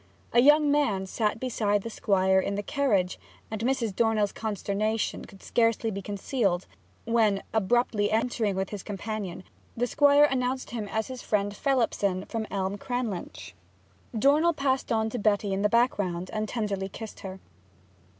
A young man sat beside the Squire in the carriage, and Mrs. Dornell's consternation could scarcely be concealed when, abruptly entering with his companion, the Squire announced him as his friend Phelipson of Elm Cranlynch. Dornell passed on to Betty in the background and tenderly kissed her.